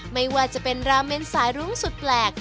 ไม่ว่าจะเป็นราเมนสายรุ้งสุดแปลก